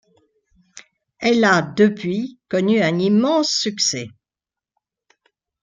Elle a depuis connu un immense succès.